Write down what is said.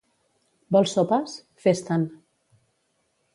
—Vols sopes? —Fes-te'n.